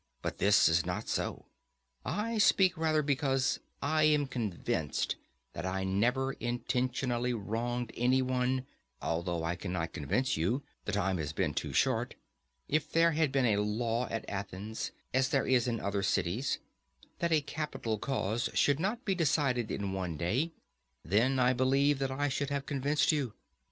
But this is not so. I speak rather because I am convinced that I never intentionally wronged any one, although I cannot convince you—the time has been too short; if there were a law at Athens, as there is in other cities, that a capital cause should not be decided in one day, then I believe that I should have convinced you.